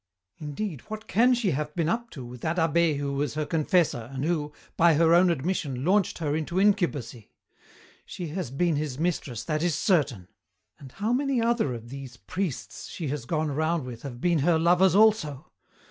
"Indeed, what can she have been up to with that abbé who was her confessor and who, by her own admission, launched her into incubacy? She has been his mistress, that is certain. And how many other of these priests she has gone around with have been her lovers also?